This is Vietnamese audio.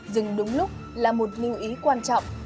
dừng đúng lúc là một lưu ý quan trọng